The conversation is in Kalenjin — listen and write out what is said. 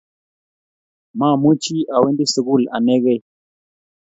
Mamuchi awendi sukul anegei